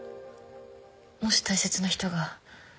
「もし大切な人が」